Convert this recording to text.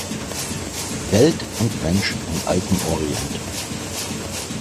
Welt und Mensch im Alten Orient".